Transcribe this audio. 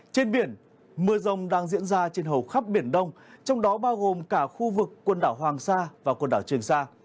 trên biển mưa rông đang diễn ra trên hầu khắp biển đông trong đó bao gồm cả khu vực quần đảo hoàng sa và quần đảo trường sa